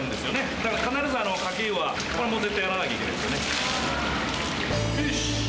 だから必ずかけ湯は絶対やらなきゃいけないですよねよし！